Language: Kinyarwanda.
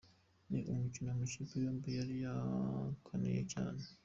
Ni umukino amakipe yombi yari yakaniye cyane .